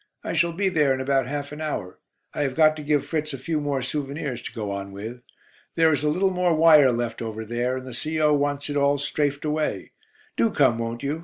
I shall be there in about half an hour; I have got to give Fritz a few more souvenirs to go on with. There is a little more wire left over there, and the C.O. wants it all 'strafed' away. Do come, won't you?